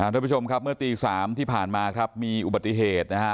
ทุกผู้ชมครับเมื่อตี๓ที่ผ่านมาครับมีอุบัติเหตุนะฮะ